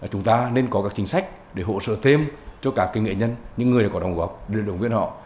chúng ta nên có các chính sách để hỗ trợ thêm cho các nghệ nhân những người có đồng viên họ